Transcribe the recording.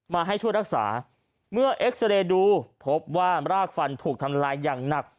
มาให้ช่วยรักษาเมื่อเอ็กซาเรย์ดูพบว่ารากฟันถูกทำลายอย่างหนัก